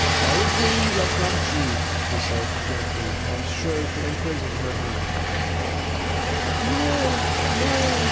"Our dreams have come true," he said, gently, and strove to imprison her hand. "No, no!"